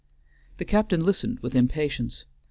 The captain listened with impatience.